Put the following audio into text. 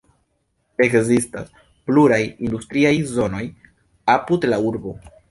Ekzistas pluraj industriaj zonoj apud la urbo.